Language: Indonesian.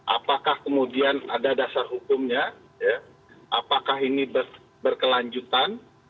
apakah kemudian ada dasar hukumnya apakah ini berkelanjutan